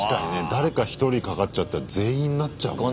誰か１人かかっちゃったら全員なっちゃうもんな。